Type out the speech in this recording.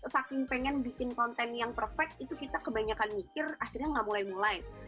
saking pengen bikin konten yang perfect itu kita kebanyakan mikir akhirnya nggak mulai mulai